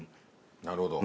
なるほど。